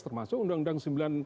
termasuk undang undang sembilan